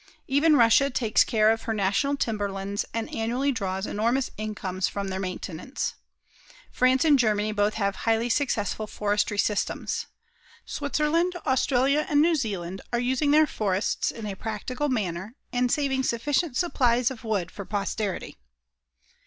Even Russia takes care of her national timberlands and annually draws enormous incomes from their maintenance. France and Germany both have highly successful forestry systems. Switzerland, Australia, and New Zealand are using their forests in a practical manner and saving sufficient supplies of wood for posterity.